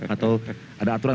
atau ada aturan